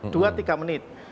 dua tiga menit